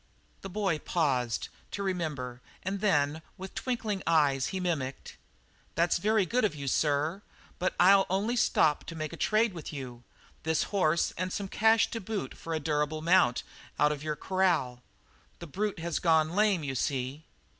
The boy paused to remember and then with twinkling eyes he mimicked: "'That's very good of you, sir, but I'll only stop to make a trade with you this horse and some cash to boot for a durable mount out of your corral. The brute has gone lame, you see.'